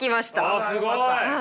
あすごい！